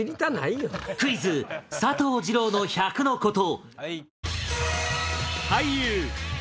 クイズ佐藤二朗の１００のコト。